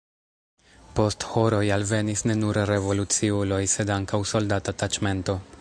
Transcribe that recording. Post horoj alvenis ne nur revoluciuloj, sed ankaŭ soldata taĉmento.